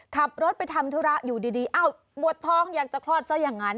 ขับรถไปทำธุระอยู่ดีเอ้าปวดท้องอยากจะคลอดซะอย่างนั้น